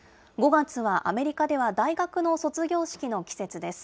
５月はアメリカでは大学の卒業式の季節です。